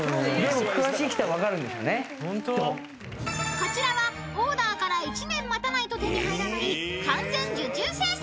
［こちらはオーダーから１年待たないと手に入らない完全受注生産］